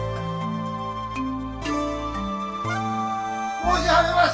・申し上げます！